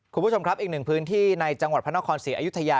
คุณผู้ชมครับอีกหนึ่งพื้นที่ในจังหวัดพระนครศรีอยุธยา